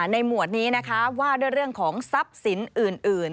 หมวดนี้นะคะว่าด้วยเรื่องของทรัพย์สินอื่น